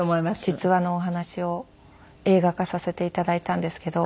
実話のお話を映画化させて頂いたんですけど。